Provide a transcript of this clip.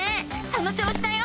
その調子だよ！